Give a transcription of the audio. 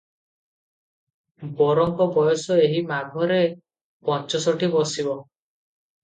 ବରଙ୍କ ବୟସ ଏହି ମାଘରେ ପଞ୍ଚଷଠି ପଶିବ ।